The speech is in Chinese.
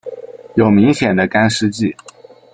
有明显的干湿季。